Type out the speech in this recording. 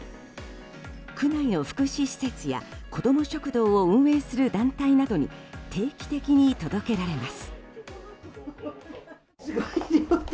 区内の福祉施設や子ども食堂を運営する団体などに定期的に届けられます。